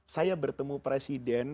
saya bertemu presiden